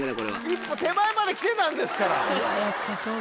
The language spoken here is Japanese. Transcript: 一歩手前まで来てたんですから。